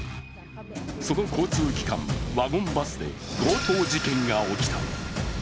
その交通機関、ワゴンバスで強盗事件が起きた。